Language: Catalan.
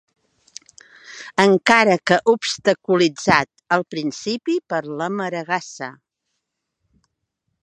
Encara que obstaculitzat al principi per la maregassa.